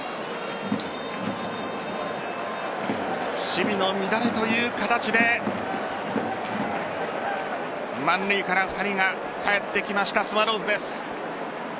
守備の乱れという形で満塁から２人がかえってきましたスワローズです。